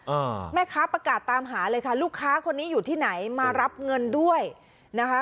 อ่าแม่ค้าประกาศตามหาเลยค่ะลูกค้าคนนี้อยู่ที่ไหนมารับเงินด้วยนะคะ